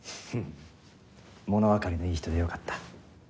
ものわかりのいい人でよかった。